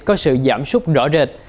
có sự giảm súc rõ rệt